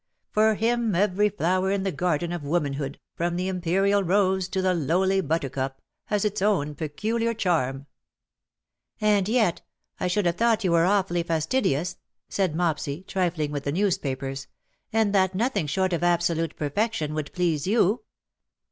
For him every flower in the garden of womanhood,, from the imperial rose to the lowly buttercup, has its own peculiar charm." " And yet I should have thought you were awfully fastidious/' said Mopsy, trifling with the newspapers^ " and that nothing short of absolute perfection would please you.''